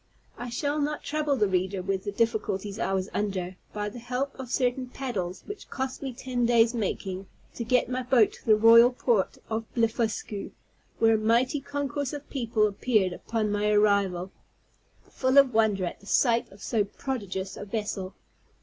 I shall not trouble the reader with the difficulties I was under, by the help of certain paddles, which cost me ten days making, to get my boat to the royal port of Blefuscu, where a mighty concourse of people appeared upon my arrival, full of wonder at the sight of so prodigious a vessel.